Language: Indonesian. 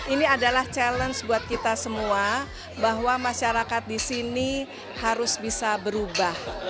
ini adalah challenge buat kita semua bahwa masyarakat di sini harus bisa berubah